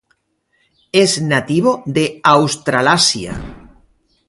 Es nativo de Australasia.